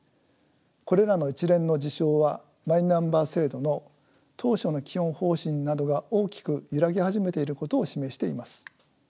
これらの一連の事象はマイナンバー制度の当初の基本方針などが大きく揺らぎ始めていることを示しています。